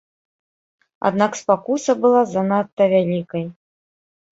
Аднак спакуса была занадта вялікай.